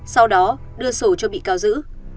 sau đó đưa sổ cho bị cáo giữ